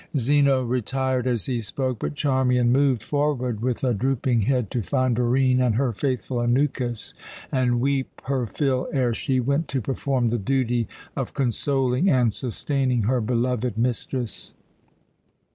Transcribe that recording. Zeno retired as he spoke, but Charmian moved forward with a drooping head to find Barine and her faithful Anukis, and weep her fill ere she went to perform the duty of consoling and sustaining her beloved mistress.